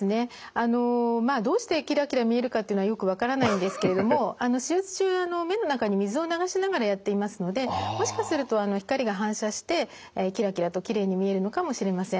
あのどうしてキラキラ見えるかっていうのはよく分からないんですけれども手術中の目の中に水を流しながらやっていますのでもしかすると光が反射してキラキラときれいに見えるのかもしれません。